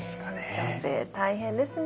女性大変ですね。